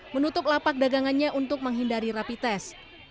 menutup lapak dagangannya untuk menghindari rapi tes